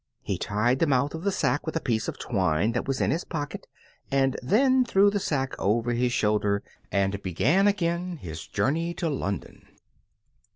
He tied the mouth of the sack with a piece of twine that was in his pocket, and then threw the sack over his shoulder and began again his journey to London.